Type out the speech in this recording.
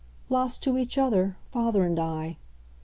"Lost to each other father and I."